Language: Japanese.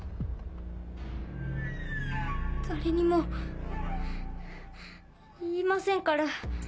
・誰にも言いませんから。